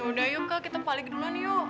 yaudah yuk kak kita balik duluan yuk